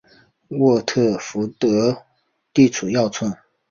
沃特福德地处要冲。